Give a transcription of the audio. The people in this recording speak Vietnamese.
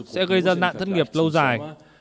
sẽ gây ra nạn thất nghiệp lâu dài